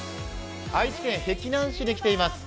愛知県碧南市に来ています。